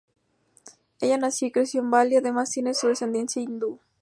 Ella nació y se crio en Bali, además tiene descendencia hindú.